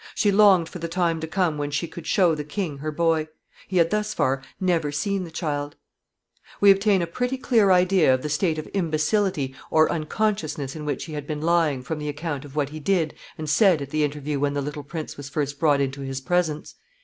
She longed for the time to come when she could show the king her boy. He had thus far never seen the child. [Sidenote: The prince shown to him.] [Sidenote: Marks of returning consciousness.] We obtain a pretty clear idea of the state of imbecility or unconsciousness in which he had been lying from the account of what he did and said at the interview when the little prince was first brought into his presence.